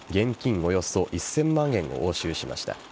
およそ１０００万円を押収しました。